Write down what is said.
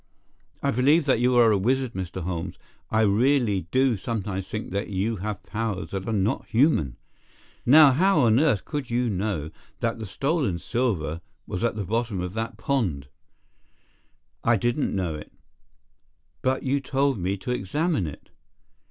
"I believe that you are a wizard, Mr. Holmes. I really do sometimes think that you have powers that are not human. Now, how on earth could you know that the stolen silver was at the bottom of that pond?" "I didn't know it." "But you told me to examine it."